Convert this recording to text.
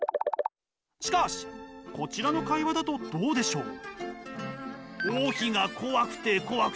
しかしこちらの会話だとどうでしょう？